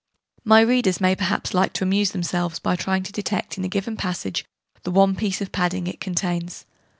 My readers may perhaps like to amuse themselves by trying to detect, in a given passage, the one piece of 'padding' it contains.